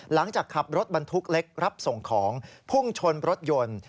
หลังจากขับรถบรรทุกเล็กรับส่งของพุ่งชนรถยนต์